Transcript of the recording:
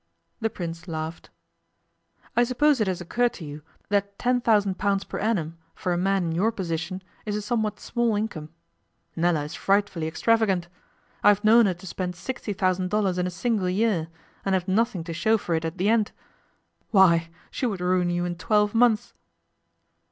The Prince laughed. 'I suppose it has occurred to you that ten thousand pounds per annum, for a man in your position, is a somewhat small income. Nella is frightfully extravagant. I have known her to spend sixty thousand dollars in a single year, and have nothing to show for it at the end. Why! she would ruin you in twelve months.